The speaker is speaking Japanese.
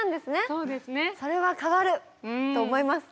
それは変わる！と思います。